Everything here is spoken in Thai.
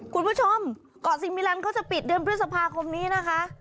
คุณผู้ชมเกาะซีมิแลนด์เขาจะปิดเดือนพฤษภาคมนี้นะคะ